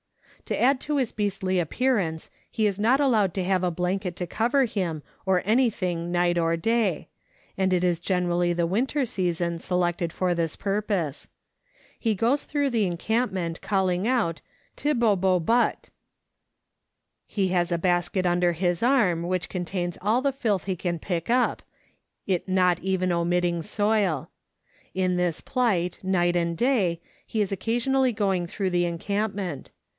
To add to his beastly appearance, he is not allowed to have a blanket to cover him or anything night or day, and it is generally the winter season selected for this purpose. He goes through the encampment calling out " Tib bo bo but." He has a basket under his arm, which contains all the filth he can pick up, not even omitting soil. In this plight, night and day, he is occasionally going through the encampment.